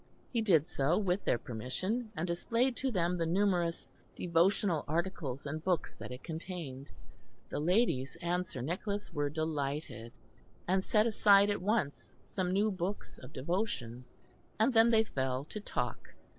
He did so with their permission, and displayed to them the numerous devotional articles and books that it contained. The ladies and Sir Nicholas were delighted, and set aside at once some new books of devotion, and then they fell to talk.